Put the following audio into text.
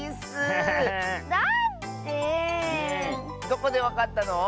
どこでわかったの？